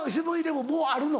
もうあるの？